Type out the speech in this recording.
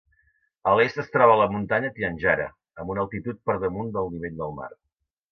A l'est es troba la muntanya Tianjara amb una altitud per damunt del nivell del mar.